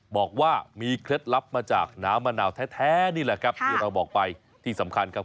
บอกว่ามีเคล็ดลับมาจากน้ำมะนาวแท้นี่แหละครับ